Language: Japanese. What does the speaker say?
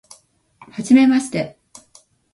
はじめまして